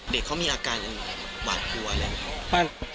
เด็กเขามีอาการหวาดกลัวเลยครับ